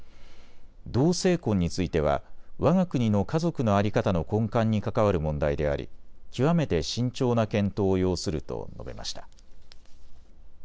同性婚についてはわが国の家族の在り方の根幹に関わる問題であり極めて慎重な検討を要すると述べました。